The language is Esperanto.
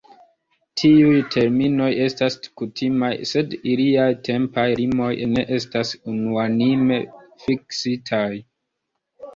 Tiuj terminoj estas kutimaj, sed iliaj tempaj limoj ne estas unuanime fiksitaj.